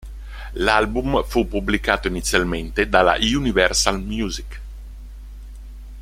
L'album fu pubblicato inizialmente dalla Universal Music.